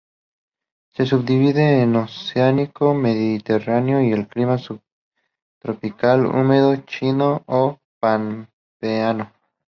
Se subdivide en oceánico, mediterráneo y clima subtropical húmedo "chino" o "pampeano".